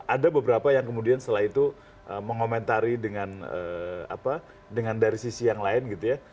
ada beberapa yang kemudian setelah itu mengomentari dari sisi yang lain